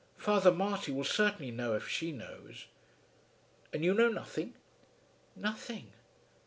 Father Marty will certainly know if she knows." "And you know nothing?" "Nothing."